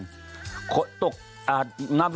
สำเครจส่วนสุภัณฑ์